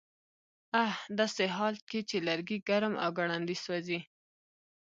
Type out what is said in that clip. ه داسې حال کې چې لرګي ګرم او ګړندي سوځي